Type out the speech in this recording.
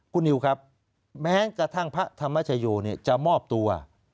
คุณนิวครับแม้กระทั่งพระธรรมชโยจะมอบตัว